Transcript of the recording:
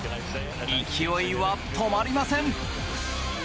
勢いは止まりません。